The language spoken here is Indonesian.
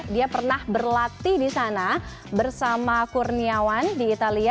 dia pernah berlatih di sana bersama kurniawan di italia